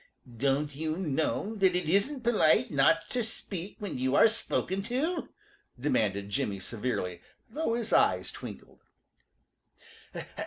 "Don't you know that it isn't polite not to speak when you are spoken to?" demanded Jimmy severely, though his eyes twinkled.